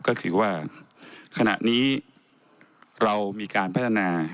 ก็คือว่าขณะนี้เรามีการพัฒนา